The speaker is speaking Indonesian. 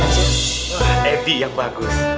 wah edi yang bagus